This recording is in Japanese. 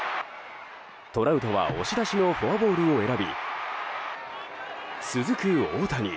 トラウトは押し出しのフォアボールを選び続く大谷。